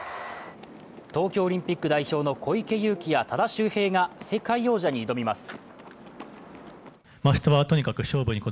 東京オリンピック代表の小池祐貴や多田修平が世界王者に挑みます。